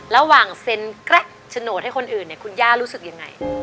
ระหว่างเซ็นแกรกโฉนดให้คนอื่นเนี่ยคุณย่ารู้สึกยังไง